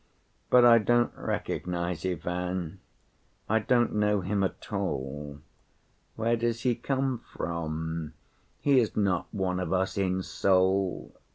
But I don't recognize Ivan, I don't know him at all. Where does he come from? He is not one of us in soul.